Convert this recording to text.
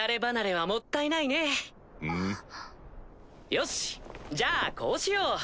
よしじゃあこうしよう。